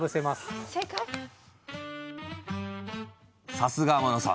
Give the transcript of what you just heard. さすが天野さん。